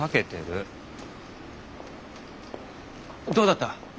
どうだった？